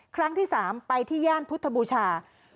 ครั้งที่๓ไปที่ย่านพุทธบูชา